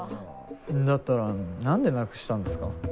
だったら何でなくしたんですか？